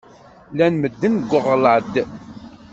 Llan medden deg uɣlad.